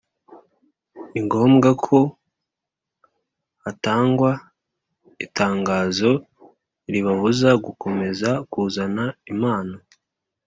ni ngombwa ko hatangwa itangazo ribabuza gukomeza kuzana impano